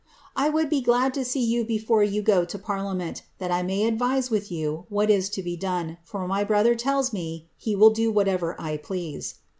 I wonid be glad to see foo before you go to the parliament, that I may advise with you what is to be doos^ i for my brother tells me he will do whatever I please.